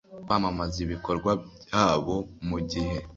kwamamaza ibikorwa byabo mu gihe